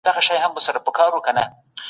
اقتصاد د یو هیواد د پرمختګ انجن دی.